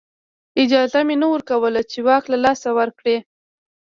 اجازه یې نه ورکوله چې واک له لاسه ورکړي